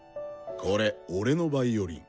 これ俺のヴァイオリン。